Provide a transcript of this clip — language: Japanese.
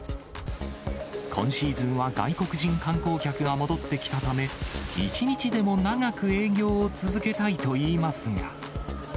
今シーズンは外国人観光客が戻ってきたため、１日でも長く営業を続けたいといいますが。